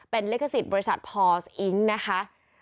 เป็นลิขสิทธิ์บริษัทพอสอิ๊งนะคะ